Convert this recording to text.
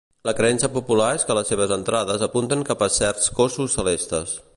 La creença popular és que les seves entrades apunten cap a certs cossos celestes.